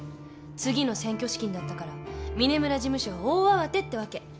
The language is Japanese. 次の選挙資金だったから嶺村事務所は大慌てってわけ。